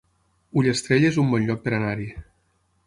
Ullastrell es un bon lloc per anar-hi